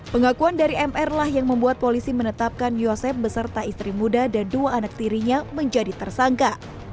pengakuan dari mr lah yang membuat polisi menetapkan yosep beserta istri muda dan dua anak tirinya menjadi tersangka